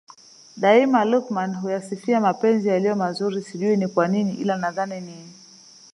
Daima Luqman huyasifia mapenzi yalivyo mazuri sijui ni kwanini ila nadhani ni